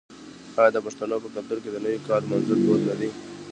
آیا د پښتنو په کلتور کې د نوي کال لمانځل دود نه دی؟